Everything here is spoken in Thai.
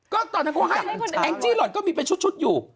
ก็ตอนนั้นแองจ์รองก็มีไปชุดอยู่